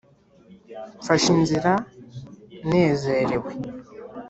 Mfashe inzira nezerewe